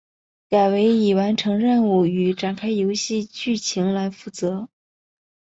改为以完成任务与展开游戏剧情来负责。